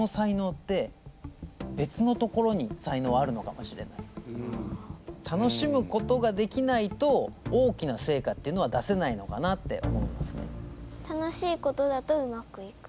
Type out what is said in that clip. でもそこに対して楽しむことができないと大きな成果っていうのは出せないのかなって思いますね。